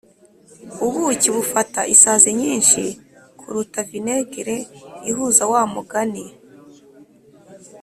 ubuki bufata isazi nyinshi kuruta vinegere ihuza wa mugani